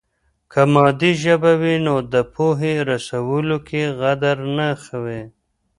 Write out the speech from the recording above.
که مادي ژبه وي نو د پوهې رسولو کې غدر نه وي.